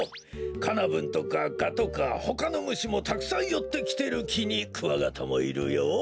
カナブンとかガとかほかのむしもたくさんよってきてるきにクワガタもいるよ。